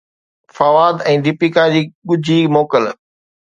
فواد ۽ ديپيڪا جي ڳجهي موڪل